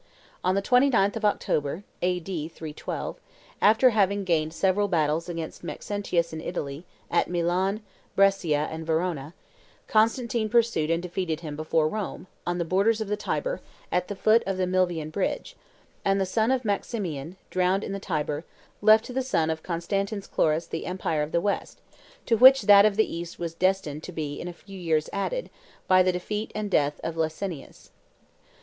On the 29th of October, A.D. 312, after having gained several battles against Maxentius in Italy, at Milan, Brescia, and Verona, Constantine pursued and defeated him before Rome, on the borders of the Tiber, at the foot of the Milvian bridge; and the son of Maximian, drowned in the Tiber, left to the son of Constantins Chlorus the Empire of the West, to which that of the East was destined to be in a few years added, by the defeat and death of Licinius.